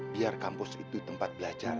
biar kampus itu tempat belajar